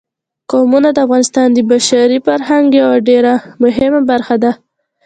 قومونه د افغانستان د بشري فرهنګ یوه ډېره مهمه برخه ده.